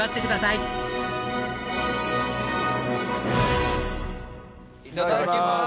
いただきます！